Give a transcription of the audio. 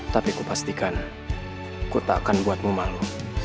tapi ku pastikan ku tak akan buatmu malu